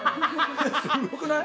すごくない？